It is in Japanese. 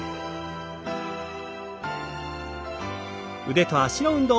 腕と脚の運動。